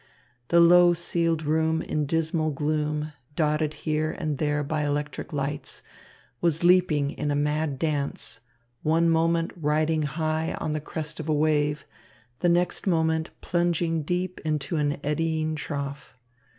The low ceiled room in dismal gloom, dotted here and there by electric lights, was leaping in a mad dance, one moment riding high on the crest of a wave, the next moment plunging deep into an eddying trough.